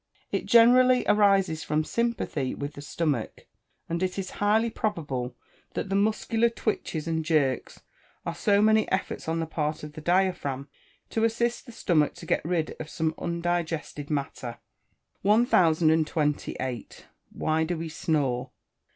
It generally arises from sympathy with the stomach; and it is highly probable that the muscular twitches and jerks are so many efforts on the part of the diaphragm to assist the stomach to get rid of some undigested matter. 1028. _Why do we snore?